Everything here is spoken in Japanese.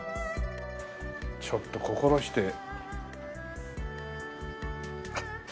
ちょっと心して。